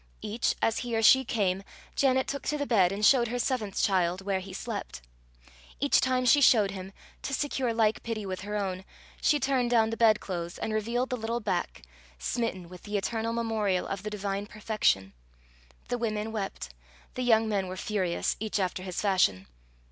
Each, as he or she came, Janet took to the bed, and showed her seventh child where he slept. Each time she showed him, to secure like pity with her own, she turned down the bedclothes, and revealed the little back, smitten with the eternal memorial of the divine perfection. The women wept. The young men were furious, each after his fashion.